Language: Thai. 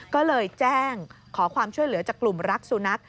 ก็เลยแจ้งขอความช่วยเหลือจากกลุ่มรักสุนัข